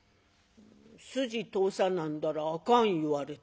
「筋通さなんだらあかん言われて」。